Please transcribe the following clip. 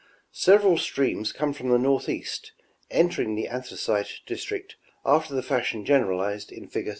Several streams come from the northeast, entering the Anthracite district after the fashion generalized in fig.